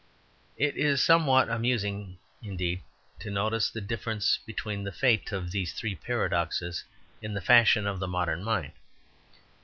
It is somewhat amusing, indeed, to notice the difference between the fate of these three paradoxes in the fashion of the modern mind.